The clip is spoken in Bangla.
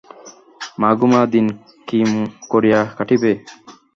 মা গো মা দিন কি করিয়া কাটিবে!